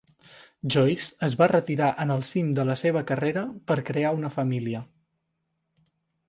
Joyce es va retirar en el cim de la seva carrera per crear una família.